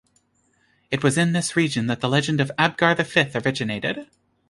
It was in this region that the legend of Abgar the Fifth originated.